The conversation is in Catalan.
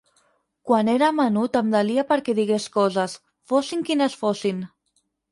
Quan era menut em delia perquè digués coses, fossin quines fossin.